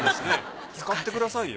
使ってくださいよ。